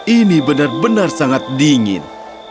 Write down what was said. ini benar benar sangat dingin